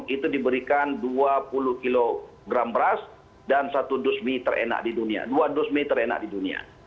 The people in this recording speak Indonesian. itu diberikan dua puluh kg beras dan dua dusmi terenak di dunia